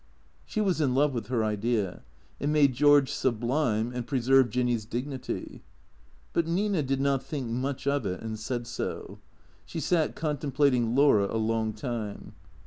She was in love with her idea. It made George sublime, and preserved Jinny's dignity. But Nina did not think much of it, and said so. She sat contemplating Laura a long time.